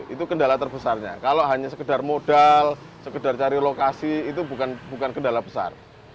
itu kendala terbesarnya kalau hanya sekedar modal sekedar cari lokasi itu bukan kendala besar